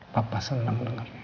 papa senang dengarnya